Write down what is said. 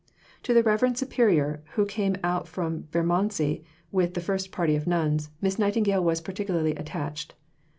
To the Reverend Superior, who came out from Bermondsey with the first party of nuns, Miss Nightingale was particularly attached.